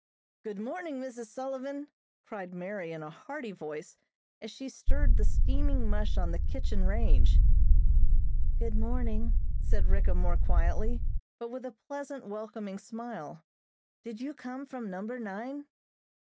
"Good morning, Mrs. Sullivan!" cried Mary in a hearty voice, as she stirred the steaming mush on the kitchen range. "Good morning!" said Ricka more quietly, but with a pleasant, welcoming smile. "Did you come from Number Nine?"